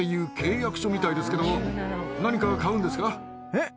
えっ？